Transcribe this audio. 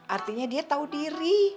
artinya dia tahu diri